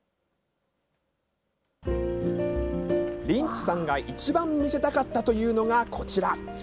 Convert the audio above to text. リンチさんが一番見せたかったというのがこちら。